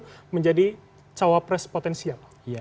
itu menjadi cawapres potensial